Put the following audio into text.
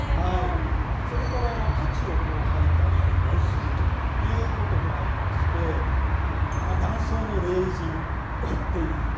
それから太刀をはいたりもするということもありましてまあ男装の麗人といっていい。